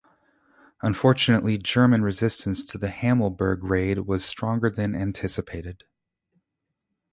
Unfortunately German resistance to the "Hammelburg Raid" was stronger than anticipated.